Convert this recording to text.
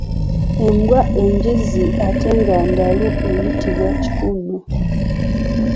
Embwa ennyingi ng'ate ndalu ziyitibwa kikuuno.